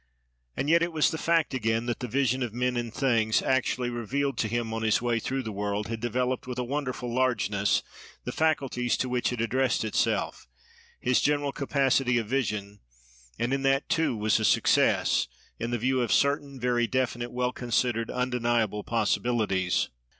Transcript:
And yet it was the fact, again, that the vision of men and things, actually revealed to him on his way through the world, had developed, with a wonderful largeness, the faculties to which it addressed itself, his general capacity of vision; and in that too was a success, in the view of certain, very definite, well considered, undeniable possibilities.